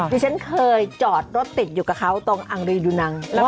ดิฉันเคยจอดรถติดอยู่กับเขาตรงอังรีดูนัง